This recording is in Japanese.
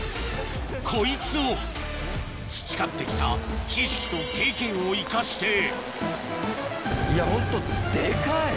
こいつを培って来た知識と経験を生かしていやホントデカい！